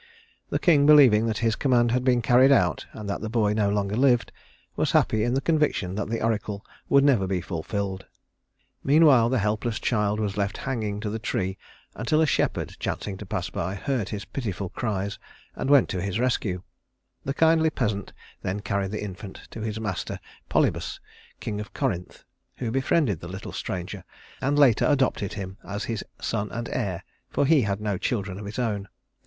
The king, believing that his command had been carried out and that the boy no longer lived, was happy in the conviction that the oracle would never be fulfilled. Meanwhile the helpless child was left hanging to the tree until a shepherd, chancing to pass by, heard his pitiful cries and went to his rescue. The kindly peasant then carried the infant to his master Polybus, king of Corinth, who befriended the little stranger and later adopted him as his son and heir, for he had no children of his own.